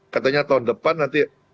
katanya tahun depan nanti